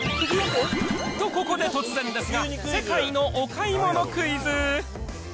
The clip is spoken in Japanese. と、ここで突然ですが、世界のお買い物クイズ。